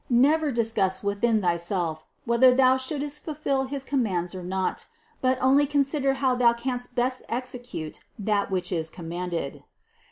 Never discuss within thyself whether thou shouldst fulfill his commands or not, but only consider how thou canst best execute that which is commanded.